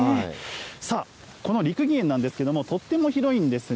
さあ、この六義園なんですけれども、とっても広いんですね。